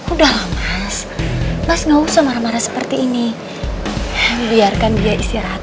udah lah mas mas gak usah marah marah seperti ini biarkan dia istirahat